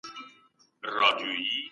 ضمير مو خوشحاليږي.